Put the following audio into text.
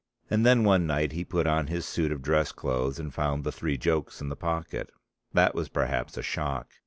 And then one night he put on his suit of dress clothes and found the three jokes in the pocket. That was perhaps a shock.